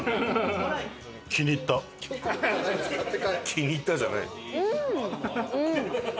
「気に入った」じゃない。